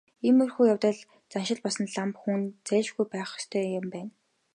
Иймэрхүү явдалд заншил болсон лам хүн зайлшгүй байх ёстой юм байна.